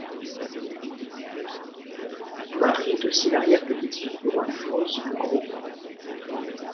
Marie est aussi l'arrière-petite-fille du roi de France le Gros.